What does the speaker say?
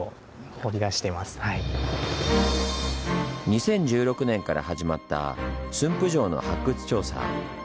２０１６年から始まった駿府城の発掘調査。